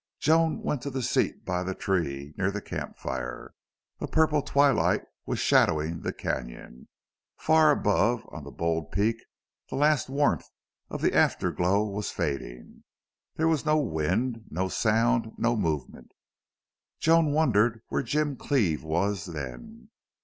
Joan went to the seat by the tree, near the camp fire. A purple twilight was shadowing the canon. Far above, on the bold peak the last warmth of the afterglow was fading. There was no wind, no sound, no movement. Joan wondered where Jim Cleve was then.